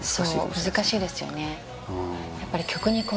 そう難しいですよね